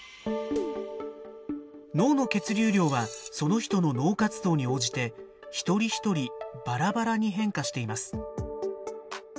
脳の血流量はその人の脳活動に応じて一人一人ばらばらに変化しています。